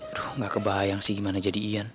aduh nggak kebayang sih gimana jadi ian